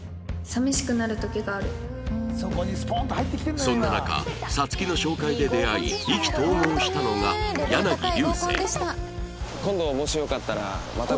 そんな中皐月の紹介で出会い意気投合したのが柳流星